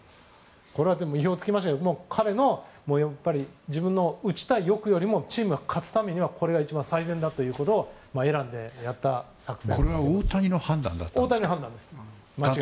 これは意表を突きましたけど自分の打ちたい欲よりもチームが勝つためにはこれが一番最善だということを大谷の大谷です。